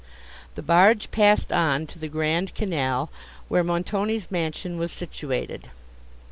The barge passed on to the grand canal, where Montoni's mansion was situated.